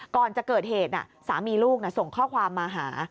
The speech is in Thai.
ก่อนจะเกิดเหตุสามีลูกส่งข้อความมาหา